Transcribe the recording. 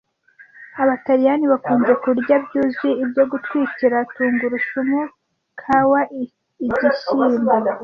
Abataliyani bakunze kurya byuzuye ibyo gutwikira tungurusumu Kawa Igishyimbo